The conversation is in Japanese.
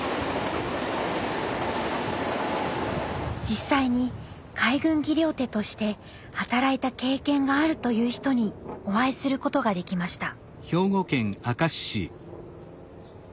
実際に海軍技療手として働いた経験があるという人にお会いすることができました。